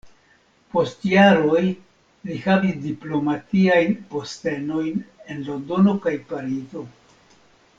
Post jaroj li havis diplomatiajn postenojn en Londono kaj Parizo.